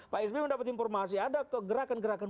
pak sby mendapat informasi ada kegerakan gerakan